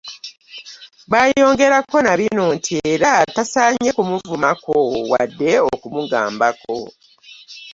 Baayongerako nabino nti era tasaanye kumuvumako wadde okumugambako.